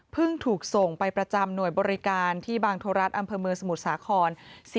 ถูกส่งไปประจำหน่วยบริการที่บางโทรรัฐอำเภอเมืองสมุทรสาคร